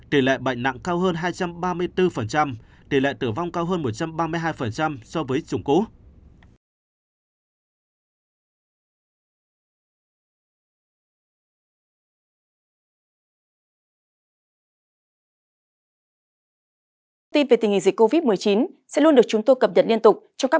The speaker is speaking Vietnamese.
tỷ lệ bệnh nặng cao hơn hai trăm ba mươi bốn tỷ lệ tử vong cao hơn một trăm ba mươi hai so với chủng cú